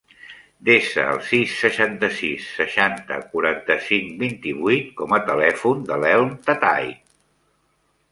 Desa el sis, seixanta-sis, seixanta, quaranta-cinc, vint-i-vuit com a telèfon de l'Elm Tatay.